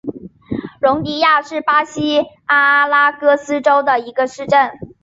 容迪亚是巴西阿拉戈斯州的一个市镇。